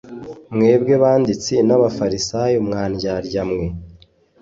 "Mwebwe banditsi n'abafarisayo mwa ndyarya mwe!